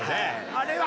あれは。